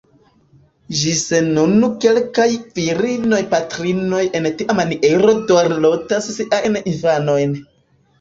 Ĝis nun kelkaj virinoj-patrinoj en tia maniero dorlotas siajn infanojn.